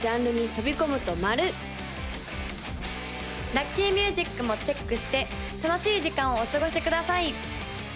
・ラッキーミュージックもチェックして楽しい時間をお過ごしください